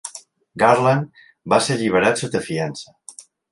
Garland va ser alliberat sota fiança.